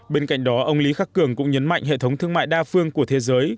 bên cạnh đó ông lý khắc cường cũng nhấn mạnh hệ thống thương mại đa phương của thế giới